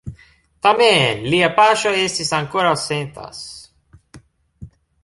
Tamen, lia paŝo estis ankoraŭ sentas.